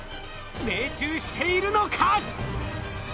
命中しているのか？